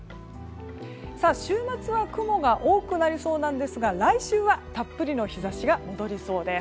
週末は雲が多くなりそうなんですが来週はたっぷりの日差しが戻りそうです。